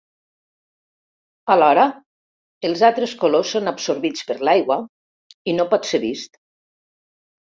Alhora, els altres colors són absorbits per l'aigua i no pot ser vist.